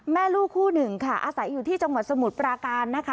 แม่ลูกคู่หนึ่งค่ะอาศัยอยู่ที่จังหวัดสมุทรปราการนะคะ